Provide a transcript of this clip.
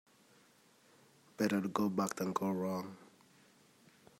Better to go back than go wrong.